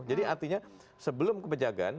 jadi artinya sebelum ke pejagan